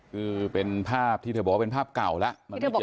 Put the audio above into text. คือเป็นภาพที่เธอบอกว่าเป็นภาพเก่าแล้ว